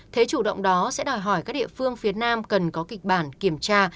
thế chủ động đó sẽ đòi hỏi các địa phương phía nam cần có kịch bản kiểm tra